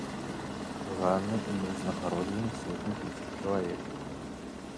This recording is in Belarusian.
Ганны ім узнагароджаны сотні тысяч чалавек.